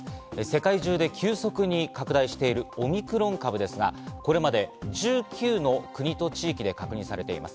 世界中で急速に拡大しているオミクロン株ですが、これまで１９の国と地域で確認されています。